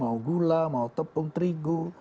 mau gula mau tepung terigu